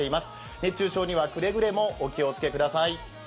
熱中症にはくれぐれもお気をつけください。